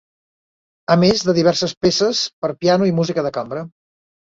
A més de diverses peces per a piano i música de cambra.